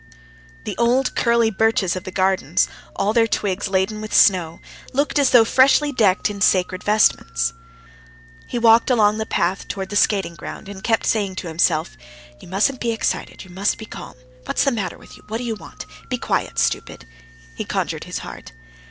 The old curly birches of the gardens, all their twigs laden with snow, looked as though freshly decked in sacred vestments. He walked along the path towards the skating ground, and kept saying to himself—"You mustn't be excited, you must be calm. What's the matter with you? What do you want? Be quiet, stupid," he conjured his heart.